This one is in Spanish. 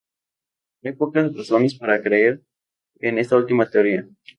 Hay pocas razones para creer en esta última teoría.